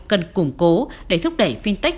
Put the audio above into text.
cần củng cố để thúc đẩy fintech